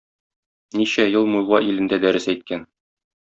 Ничә ел Мулла Илендә дәрес әйткән.